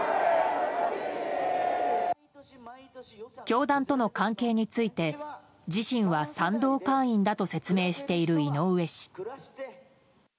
教団との関係について、自身は賛同会員だと説明している井上氏。